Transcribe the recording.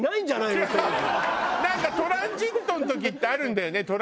なんかトランジットの時ってあるんだよね